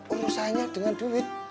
urusannya dengan duit